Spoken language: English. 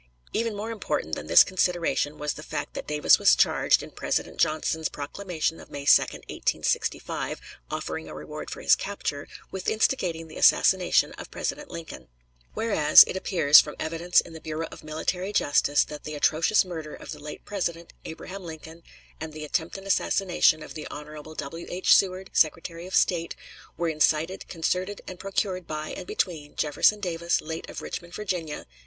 Even more important than this consideration was the fact that Davis was charged, in President Johnson's proclamation of May 2, 1865, offering a reward for his capture, with instigating the assassination of President Lincoln: Whereas, It appears, from evidence in the Bureau of Military Justice, that the atrocious murder of the late President, Abraham Lincoln, and the attempted assassination of the Hon. W. H. Seward, Secretary of State, were incited, concerted, and procured by and between Jefferson Davis, late of Richmond, Va.